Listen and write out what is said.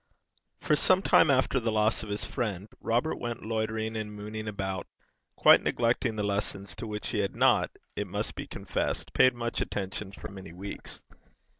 For some time after the loss of his friend, Robert went loitering and mooning about, quite neglecting the lessons to which he had not, it must be confessed, paid much attention for many weeks.